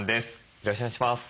よろしくお願いします。